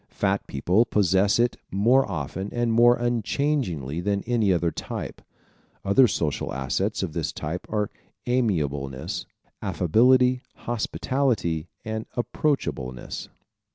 Fat people possess it more often and more unchangingly than any other type. Other social assets of this type are amenableness, affability, hospitality and approachableness.